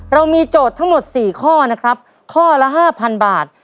เรามีโจทย์ทั้งหมดสี่ข้อนะครับข้อละห้าพันบาท